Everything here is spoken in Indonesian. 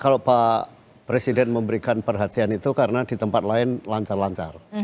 kalau pak presiden memberikan perhatian itu karena di tempat lain lancar lancar